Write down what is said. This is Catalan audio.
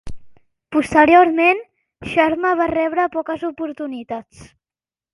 Posteriorment, Sharma va rebre poques oportunitats.